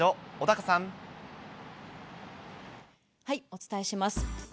お伝えします。